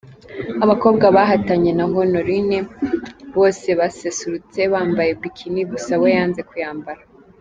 Abakobwa bahatanye na Honoline bose baserutse bambaye Bikini gusa we yanze kuyambara.